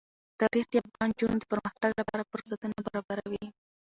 تاریخ د افغان نجونو د پرمختګ لپاره فرصتونه برابروي.